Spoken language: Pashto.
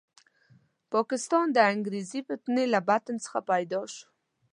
پاکستان د انګریزي فتنې له بطن څخه پیدا شو.